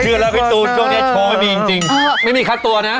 เกือบแล้วพี่ตูนช่องไม่มีจริง